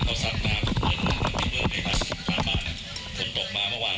เขาสัดน้ำมีเมื่อไหร่ครับสามบาทฝนตกมาเมื่อวาน